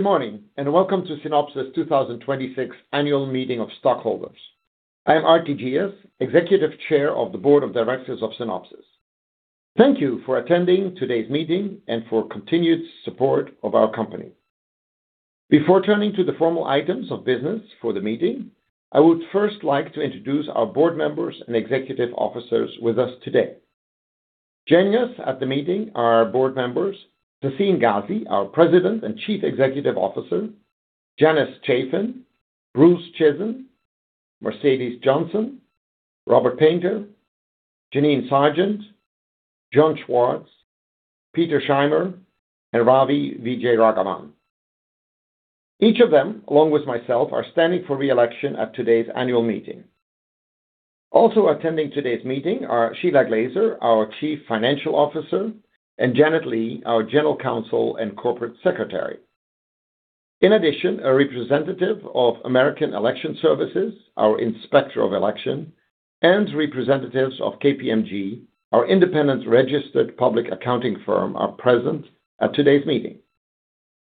Good morning, and welcome to Synopsys' 2026 annual meeting of stockholders. I am Aart de Geus, Executive Chair of the Board of Directors of Synopsys. Thank you for attending today's meeting and for continued support of our company. Before turning to the formal items of business for the meeting, I would first like to introduce our board members and executive officers with us today. Joining us at the meeting are our board members, Sassine Ghazi, our President and Chief Executive Officer, Janice Chaffin, Bruce Chizen, Mercedes Johnson, Robert Painter, Jeannine Sargent, John Schwarz, Peter Shimer, and Ravi Vijayaraghavan. Each of them, along with myself, are standing for re-election at today's annual meeting. Also attending today's meeting are Shelagh Glaser, our Chief Financial Officer, and Janet Lee, our General Counsel and Corporate Secretary. In addition, a representative of American Election Services, our Inspector of Election, and representatives of KPMG, our independent registered public accounting firm, are present at today's meeting.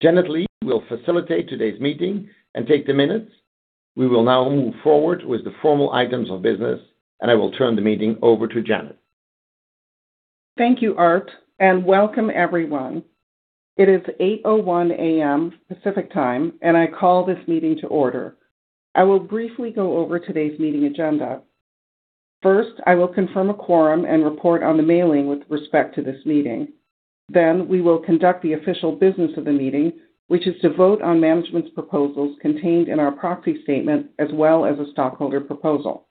Janet Lee will facilitate today's meeting and take the minutes. We will now move forward with the formal items of business, and I will turn the meeting over to Janet. Thank you, Aart, and welcome everyone. It is 8:01 A.M. Pacific Time, and I call this meeting to order. I will briefly go over today's meeting agenda. First, I will confirm a quorum and report on the mailing with respect to this meeting. Then, we will conduct the official business of the meeting, which is to vote on management's proposals contained in our proxy statement, as well as a stockholder proposal.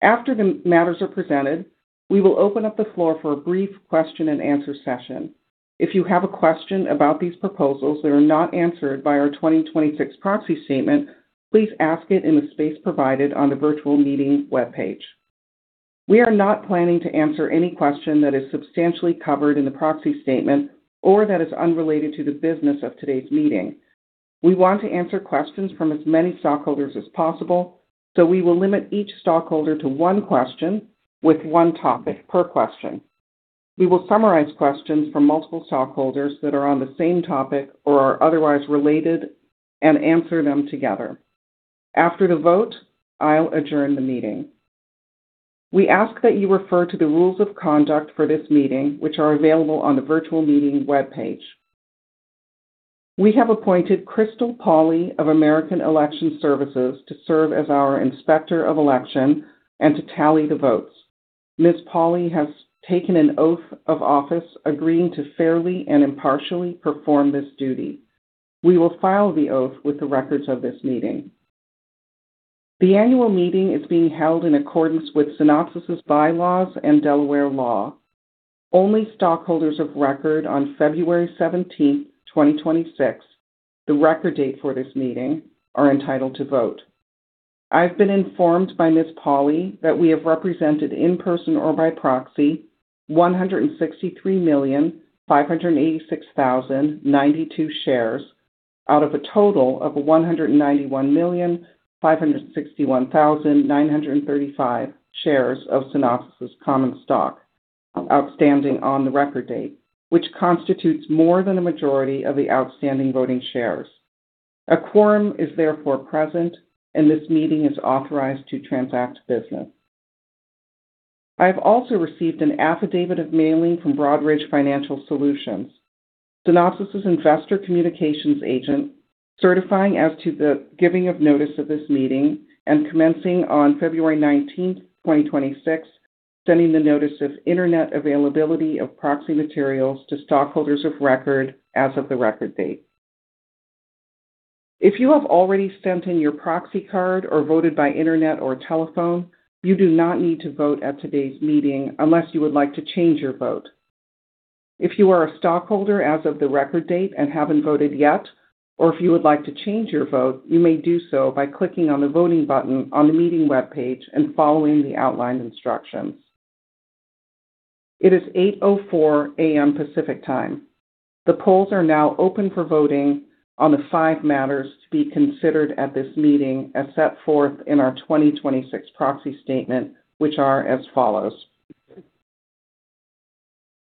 After the matters are presented, we will open up the floor for a brief question-and-answer session. If you have a question about these proposals that are not answered by our 2026 proxy statement, please ask it in the space provided on the virtual meeting webpage. We are not planning to answer any question that is substantially covered in the proxy statement or that is unrelated to the business of today's meeting. We want to answer questions from as many stockholders as possible, so we will limit each stockholder to one question with one topic per question. We will summarize questions from multiple stockholders that are on the same topic or are otherwise related and answer them together. After the vote, I'll adjourn the meeting. We ask that you refer to the rules of conduct for this meeting, which are available on the virtual meeting webpage. We have appointed Crystal Pawley of American Election Services to serve as our Inspector of Election and to tally the votes. Ms. Pawley has taken an oath of office agreeing to fairly and impartially perform this duty. We will file the oath with the records of this meeting. The annual meeting is being held in accordance with Synopsys' bylaws and Delaware law. Only stockholders of record on February 17th, 2026, the record date for this meeting, are entitled to vote. I've been informed by Ms. Pawley that we have represented in person or by proxy 163,586,092 shares out of a total of 191,561,935 shares of Synopsys' common stock outstanding on the record date, which constitutes more than a majority of the outstanding voting shares. A quorum is therefore present, and this meeting is authorized to transact business. I have also received an affidavit of mailing from Broadridge Financial Solutions, Synopsys' investor communications agent, certifying as to the giving of notice of this meeting and commencing on February 19th, 2026, sending the notice of internet availability of proxy materials to stockholders of record as of the record date. If you have already sent in your proxy card or voted by Internet or telephone, you do not need to vote at today's meeting unless you would like to change your vote. If you are a stockholder as of the record date and haven't voted yet, or if you would like to change your vote, you may do so by clicking on the voting button on the meeting webpage and following the outlined instructions. It is 8:04 A.M. Pacific Time. The polls are now open for voting on the five matters to be considered at this meeting as set forth in our 2026 proxy statement, which are as follows.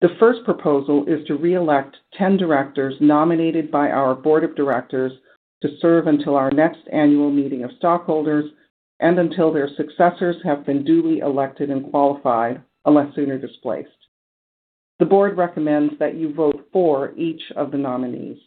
The first proposal is to re-elect 10 directors nominated by our Board of Directors to serve until our next annual meeting of stockholders and until their successors have been duly elected and qualified, unless sooner displaced. The board recommends that you vote for each of the nominees.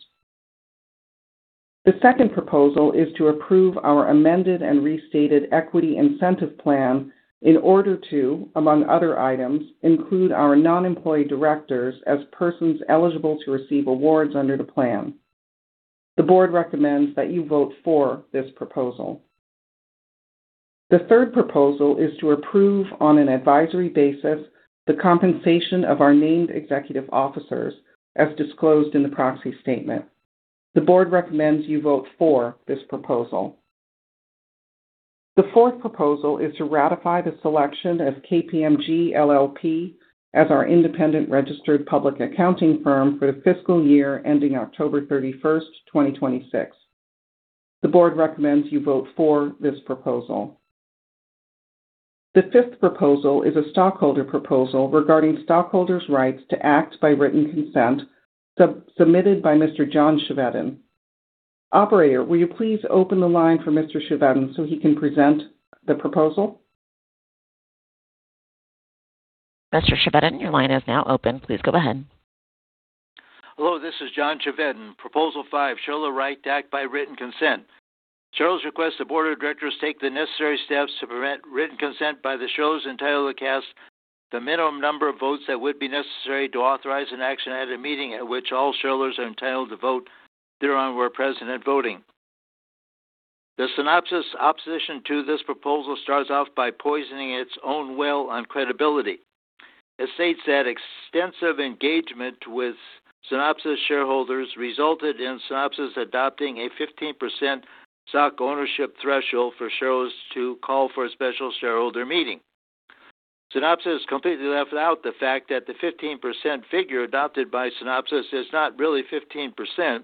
The second proposal is to approve our amended and restated equity incentive plan in order to, among other items, include our non-employee directors as persons eligible to receive awards under the plan. The board recommends that you vote for this proposal. The third proposal is to approve, on an advisory basis, the compensation of our named executive officers as disclosed in the proxy statement. The board recommends you vote for this proposal. The fourth proposal is to ratify the selection of KPMG LLP as our independent registered public accounting firm for the fiscal year ending October 31st, 2026. The board recommends you vote for this proposal. The fifth proposal is a stockholder proposal regarding stockholders' rights to act by written consent, submitted by Mr. John Chevedden. Operator, will you please open the line for Mr. Chevedden so he can present the proposal? Mr. Chevedden, your line is now open. Please go ahead. Hello, this is John Chevedden. Proposal 5, shareholder right to act by written consent. Shareholders request the board of directors take the necessary steps to permit written consent by the shareholders entitled to cast the minimum number of votes that would be necessary to authorize an action at a meeting at which all shareholders are entitled to vote thereon were present at voting. The Synopsys opposition to this proposal starts off by poisoning its own well on credibility. It states that extensive engagement with Synopsys shareholders resulted in Synopsys adopting a 15% stock ownership threshold for shareholders to call for a special shareholder meeting. Synopsys completely left out the fact that the 15% figure adopted by Synopsys is not really 15%,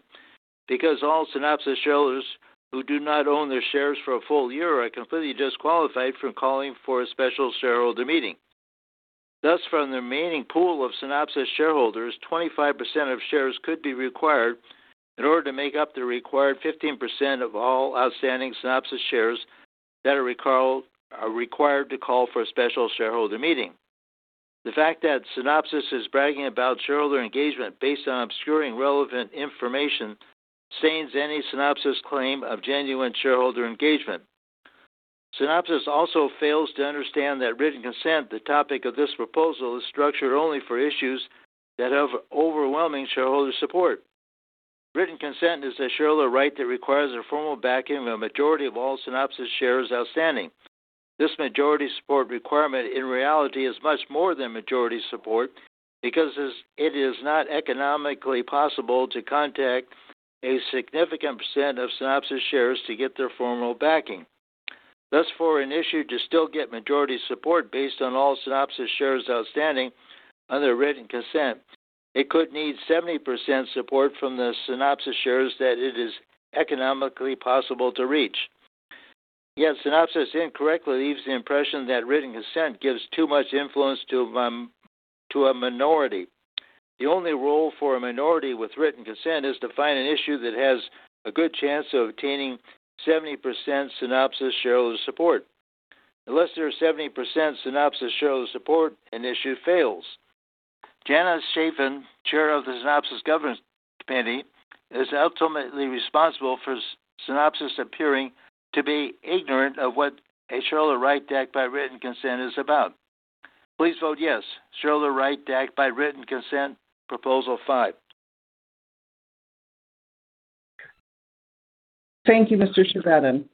because all Synopsys shareholders who do not own their shares for a full year are completely disqualified from calling for a special shareholder meeting. Thus, from the remaining pool of Synopsys shareholders, 25% of shares could be required in order to make up the required 15% of all outstanding Synopsys shares that are required to call for a special shareholder meeting. The fact that Synopsys is bragging about shareholder engagement based on obscuring relevant information stains any Synopsys claim of genuine shareholder engagement. Synopsys also fails to understand that written consent, the topic of this proposal, is structured only for issues that have overwhelming shareholder support. Written consent is a shareholder right that requires the formal backing of a majority of all Synopsys shares outstanding. This majority support requirement in reality is much more than majority support because it is not economically possible to contact a significant percent of Synopsys shares to get their formal backing. Thus, for an issue to still get majority support based on all Synopsys shares outstanding under written consent, it could need 70% support from the Synopsys shares that it is economically possible to reach. Yet Synopsys incorrectly leaves the impression that written consent gives too much influence to a minority. The only role for a minority with written consent is to find an issue that has a good chance of obtaining 70% Synopsys shareholder support. Unless there is 70% Synopsys shareholder support, an issue fails. Janice Chaffin, Chair of the Synopsys Governance Committee, is ultimately responsible for Synopsys appearing to be ignorant of what a shareholder right to act by written consent is about. Please vote yes, Shareholder right to act by written consent, Proposal 5. Thank you, Mr. Chevedden.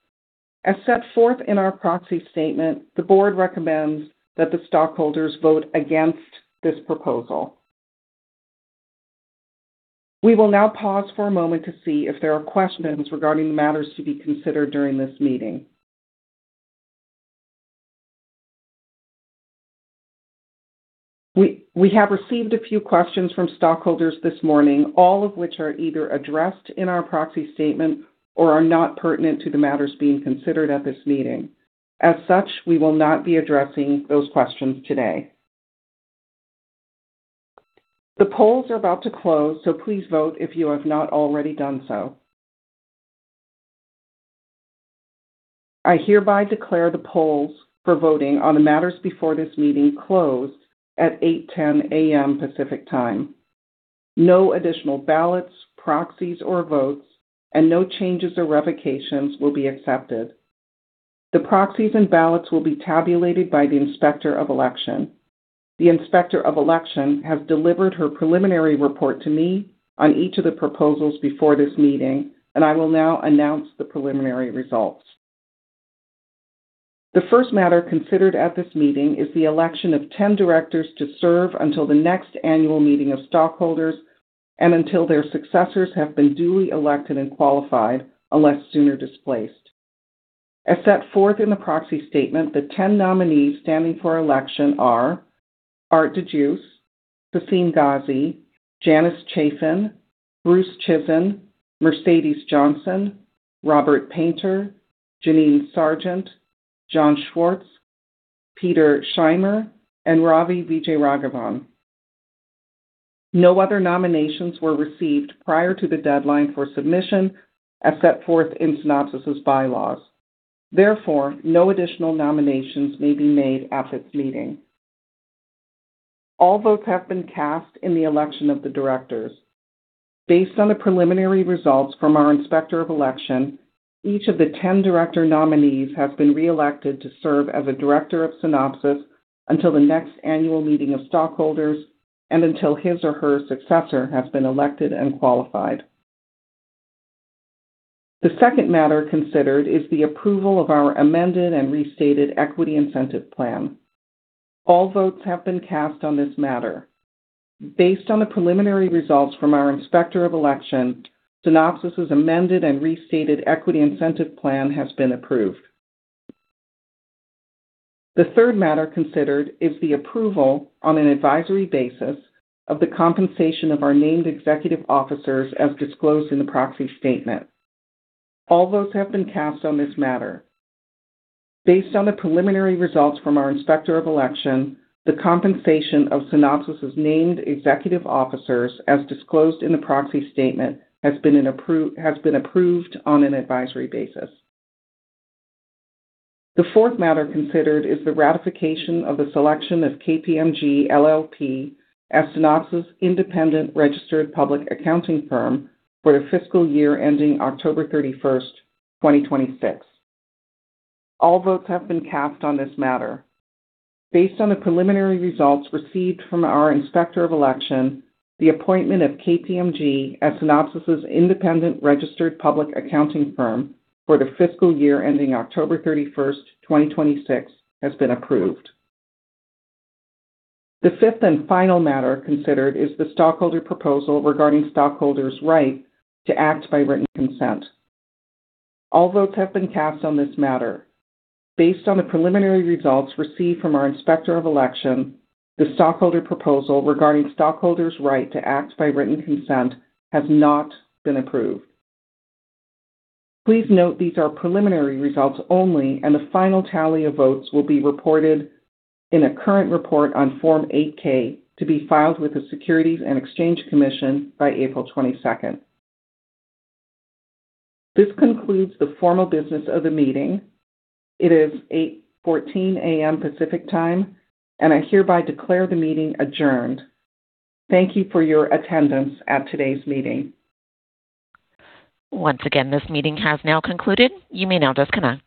As set forth in our proxy statement, the board recommends that the stockholders vote against this proposal. We will now pause for a moment to see if there are questions regarding the matters to be considered during this meeting. We have received a few questions from stockholders this morning, all of which are either addressed in our proxy statement or are not pertinent to the matters being considered at this meeting. As such, we will not be addressing those questions today. The polls are about to close, so please vote if you have not already done so. I hereby declare the polls for voting on the matters before this meeting closed at 8:10 A.M. Pacific Time. No additional ballots, proxies, or votes, and no changes or revocations will be accepted. The proxies and ballots will be tabulated by the Inspector of Election. The Inspector of Election has delivered her preliminary report to me on each of the proposals before this meeting, and I will now announce the preliminary results. The first matter considered at this meeting is the election of 10 directors to serve until the next annual meeting of stockholders and until their successors have been duly elected and qualified, unless sooner displaced. As set forth in the proxy statement, the 10 nominees standing for election are Aart de Geus, Sassine Ghazi, Janice Chaffin, Bruce Chizen, Mercedes Johnson, Robert Painter, Jeannine Sargent, John Schwarz, Peter Shimer, and Ravi Vijayaraghavan. No other nominations were received prior to the deadline for submission as set forth in Synopsys' bylaws. Therefore, no additional nominations may be made at this meeting. All votes have been cast in the election of the directors. Based on the preliminary results from our Inspector of Election, each of the 10 director nominees have been reelected to serve as a director of Synopsys until the next annual meeting of stockholders and until his or her successor has been elected and qualified. The second matter considered is the approval of our amended and restated equity incentive plan. All votes have been cast on this matter. Based on the preliminary results from our Inspector of Election, Synopsys' amended and restated equity incentive plan has been approved. The third matter considered is the approval on an advisory basis of the compensation of our named executive officers as disclosed in the proxy statement. All votes have been cast on this matter. Based on the preliminary results from our Inspector of Election, the compensation of Synopsys' named executive officers, as disclosed in the proxy statement, has been approved on an advisory basis. The fourth matter considered is the ratification of the selection of KPMG LLP as Synopsys' independent registered public accounting firm for the fiscal year ending October 31st, 2026. All votes have been cast on this matter. Based on the preliminary results received from our Inspector of Election, the appointment of KPMG as Synopsys' independent registered public accounting firm for the fiscal year ending October 31st, 2026, has been approved. The fifth and final matter considered is the stockholder proposal regarding stockholders' right to act by written consent. All votes have been cast on this matter. Based on the preliminary results received from our Inspector of Election, the stockholder proposal regarding stockholders' right to act by written consent has not been approved. Please note, these are preliminary results only, and the final tally of votes will be reported in a current report on Form 8-K to be filed with the Securities and Exchange Commission by April 22nd. This concludes the formal business of the meeting. It is 8:14 A.M. Pacific Time, and I hereby declare the meeting adjourned. Thank you for your attendance at today's meeting. Once again, this meeting has now concluded. You may now disconnect.